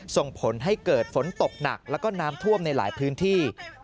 ส่งผลให้เกิดฝนตกหนักแล้วก็น้ำท่วมในหลายพื้นที่